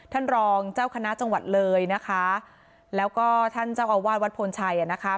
ท่านรองเจ้าคณะจังหวัดเลยนะคะแล้วก็ท่านเจ้าอาวาสวัดพลชัยอ่ะนะคะ